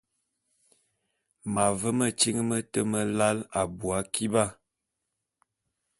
M’ave metyiñ mete melae abui akiba.